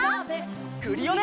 クリオネ！